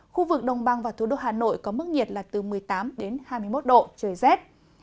khu vực đồng bằng và thủ đô hà nội có mức nhiệt là từ một mươi tám đến hai mươi một độ trời rét